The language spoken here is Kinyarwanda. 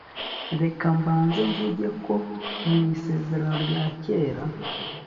reka mbanze mvuge ko mu isezerano rya kera